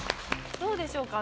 どうでしょうか？